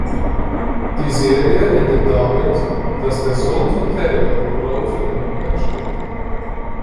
Die Serie endet damit, dass der Sohn von Taylor Rowe von hinten ersticht.